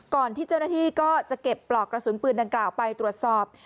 ก่อนที่เจ้าหน้าที่ก็จะเก็บปลอกกระสุนปืนดังกล่าวไปตรวจสอบ